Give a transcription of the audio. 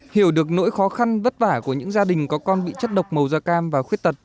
hiểu được nỗi khó khăn vất vả của những gia đình có con bị chất độc màu da cam và khuyết tật